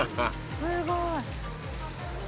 すごい。